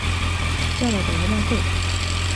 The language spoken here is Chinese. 叫了等于浪费